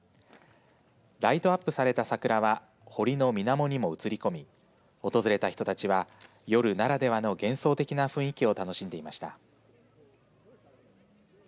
ライトアップされた桜は堀の水面にも映り込み訪れた人たちは夜ならではの幻想的な雰囲気を楽しんでいました。